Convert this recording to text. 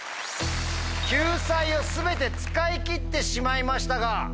救済を全て使い切ってしまいましたが。